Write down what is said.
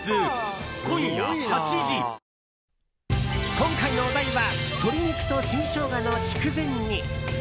今回のお題は鶏肉と新ショウガの筑前煮。